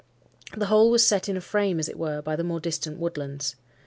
The whole was set in a frame, as it were, by the more distant woodlands.